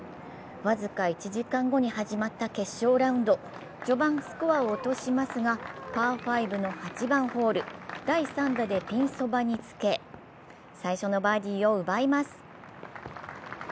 僅か１時間後に始まった決勝ラウンド、序盤スコアを落としますが、パー５の８番ホール第３打でピンそばにつけ、最初のバーディーを奪います。